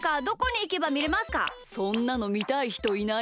そんなのみたいひといないよ。